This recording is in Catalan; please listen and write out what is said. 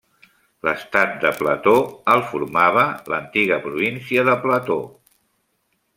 L'estat de Plateau el formava l'antiga província de Plateau.